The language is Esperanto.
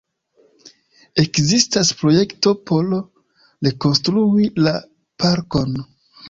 Ekzistas projekto por rekonstrui la parkon.